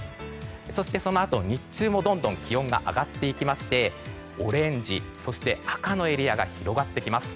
そしてそのあと日中も、どんどん気温が上がっていきましてオレンジ、そして赤のエリアが広がっていきます。